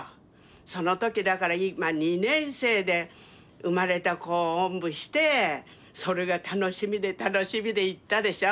その時だからまあ２年生で生まれた子をおんぶしてそれが楽しみで楽しみで行ったでしょ。